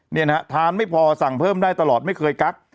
นี่นะฮะทานไม่พอสั่งเพิ่มได้ตลอดไม่เคยกัก